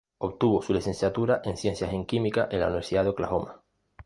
Obtuvo su licenciatura en ciencias en química en la Universidad de Oklahoma.